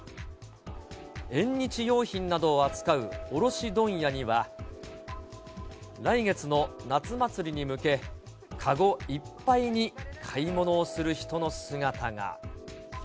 縁日用品などを扱う卸問屋には、来月の夏祭りに向け、籠いっぱいに買い物をする人の姿が。